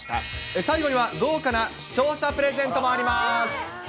最後には豪華な視聴者プレゼントもあります。